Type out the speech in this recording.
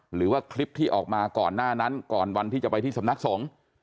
หรือว่าคลิปที่ออกมาก่อนหน้านั้นก่อนวันที่จะไปที่สำนักสงฆ์